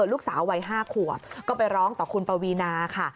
ลูกสาววัย๕ขวบก็ไปร้องต่อคุณปวีนาค่ะ